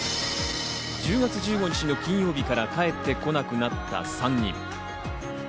１０月１５日の金曜日から帰ってこなくなった３人。